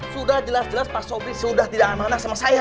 sudah jelas jelas pak sobri sudah tidak amanah sama saya